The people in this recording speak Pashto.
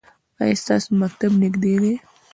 ایا ستاسو مکتب نږدې نه دی؟